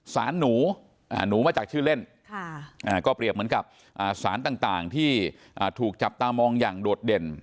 สารหนูหนูมาจากชื่อเล่นก็เปรียบเหมือนกับสารต่างที่ถูกจับตามองอย่างโดดเด่น